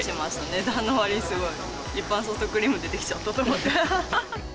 値段のわりに、いっぱいソフトクリーム出てきちゃったと思って。